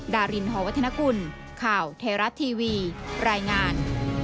ดารินฮวัฒนกุลข่าวเทราะต์ทีวีรายงาน